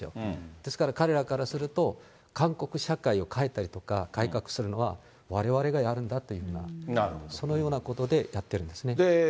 ですから、彼らからすると、韓国社会を変えたりとか、改革するのは、われわれがやるんだというような、そのようなことでやってるんですね。